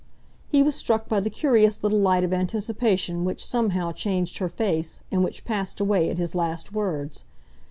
He was struck by the curious little light of anticipation which somehow changed her face, and which passed away at his last words.